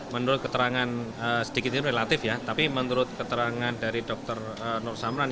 menurut keterangan sedikit itu relatif ya tapi menurut keterangan dari dokter nur samran